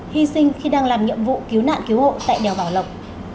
hy sinh khi đang làm nhiệm vụ cứu nạn cứu hộ tại đèo bảo lộc